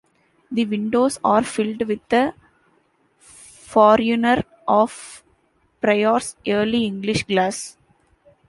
The windows are filled with a forerunner of Prior's Early English glass.